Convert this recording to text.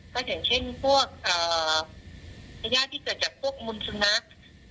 ก็อย่างเช่นพวกพญาติที่เกิดจากพวกมุนสุนัข